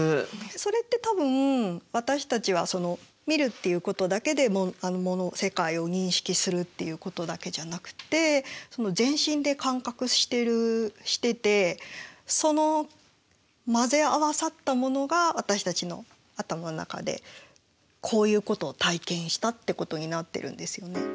それって多分私たちは見るっていうことだけで世界を認識するっていうことだけじゃなくて全身で感覚しててその混ぜ合わさったものが私たちの頭の中でこういうことを体験したってことになってるんですよね。